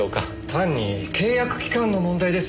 単に契約期間の問題ですよ。